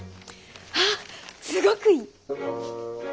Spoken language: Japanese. ああすごくいい！